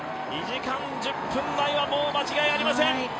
２時間１０分台は間違いありません。